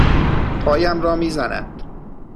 پایم را می زند.